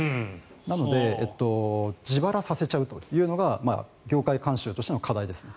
なので自腹させちゃうというのが業界慣習としての課題ですね。